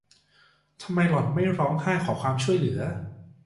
ทำไมหล่อนไม่ร้องไห้ขอความช่วยเหลือ ?